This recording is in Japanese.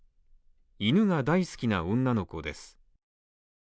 犬が大好きな女の子です。